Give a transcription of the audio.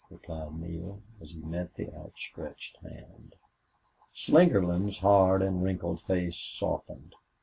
replied Neale, as he met the outstretched hand. Slingerland's hard and wrinkled face softened.